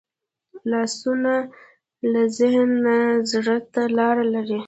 لاسونه له ذهن نه زړه ته لاره لري